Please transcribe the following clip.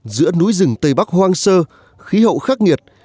giữa núi rừng tây bắc hoang sơ khí hậu khắc nghiệt